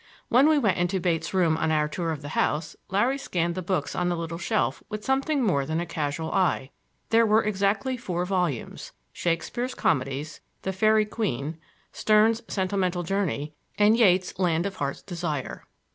When we went into Bates' room on our tour of the house, Larry scanned the books on a little shelf with something more than a casual eye. There were exactly four volumes,—Shakespeare's Comedies, The Faerie Queen, Sterne's Sentimental Journey and Yeats' Land of Heart's Desire.